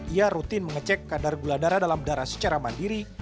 ia rutin mengecek kadar gula darah dalam darah secara mandiri